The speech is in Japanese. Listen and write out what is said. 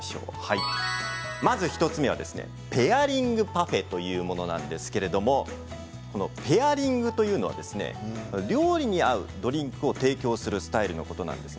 まず１つ目はぺアリングパフェというものなんですけれどもペアリングというのは料理に合うドリンクを提供するスタイルのことです。